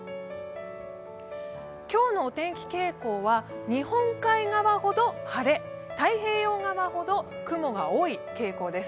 今日のお天気傾向は日本海側ほど晴れ、太平洋側ほど雲が多い傾向です。